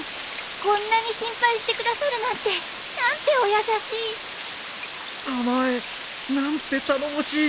こんなに心配してくださるなんて何てお優しいたまえ何て頼もしい隊長さんなんだ